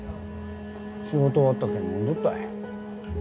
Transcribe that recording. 仕事終わったけん飲んどったい。